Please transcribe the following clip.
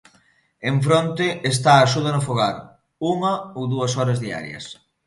Enfronte está a axuda no fogar: unha ou dúas horas diarias.